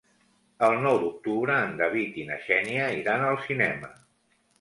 El nou d'octubre en David i na Xènia iran al cinema.